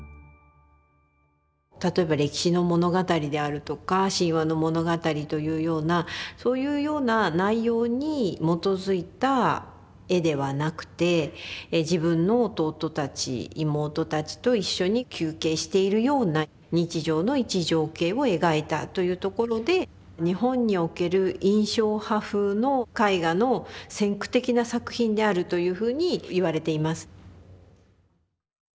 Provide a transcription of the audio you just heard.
例えば歴史の物語であるとか神話の物語というようなそういうような内容に基づいた絵ではなくて自分の弟たち妹たちと一緒に休憩しているような日常の一情景を描いたというところで日本における印象派風の絵画の先駆的な作品であるというふうに言われています。